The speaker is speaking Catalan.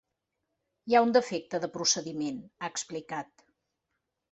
Hi ha un defecte de procediment, ha explicat.